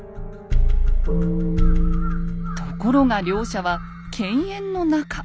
ところが両者は犬猿の仲。